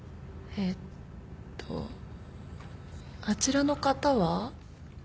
えっとあちらの方は？